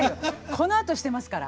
このあとしてますから。